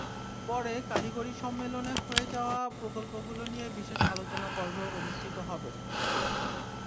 পরে কারিগরি সম্মেলনে হয়ে যাওয়া প্রকল্পগুলো নিয়ে বিশেষ আলোচনা পর্ব অনুষ্ঠিত হবে।